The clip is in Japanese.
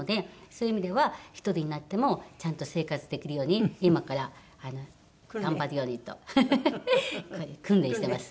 そういう意味では１人になってもちゃんと生活できるように今から頑張るようにと訓練してます。